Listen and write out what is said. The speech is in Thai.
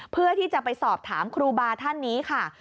เพื่อที่จะไปสอบถามครูบาท่านนี้ค่ะ